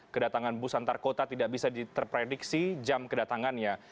kedatangan bus antarkota tidak bisa terprediksi jam kedatangannya